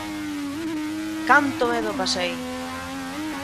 Canto medo pasei!